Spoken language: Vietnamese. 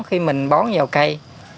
khi mình bón vào cây